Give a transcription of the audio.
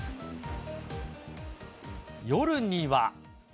夜には。